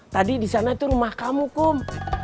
tadi di sana itu rumah kamu kum